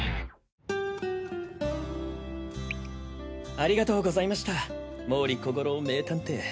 ありがとうございました毛利小五郎名探偵。